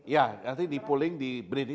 ya nanti di pooling di brin itu tadi